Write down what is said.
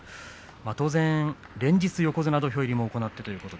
当然、連日横綱土俵にも行っています。